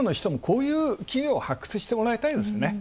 アナリストにこういう企業を発掘してもらいたいですね。